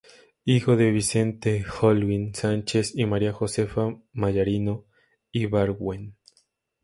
Hijo de Vicente Holguín Sánchez y María Josefa Mallarino Ibargüen.